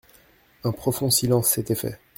Un profond silence s'était fait.